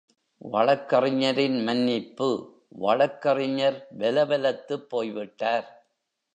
வழக்கறிஞரின் மன்னிப்பு வழக்கறிஞர் வெலவெலத்துப்போய்விட்டார்.